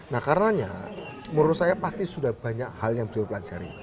nah karenanya menurut saya pasti sudah banyak hal yang beliau pelajari